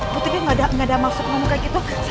putri dia gak ada masuk ngomong kayak gitu